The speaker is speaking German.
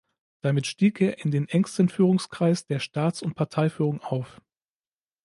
Damit stieg er in den engsten Führungskreis der Staats- und Parteiführung auf.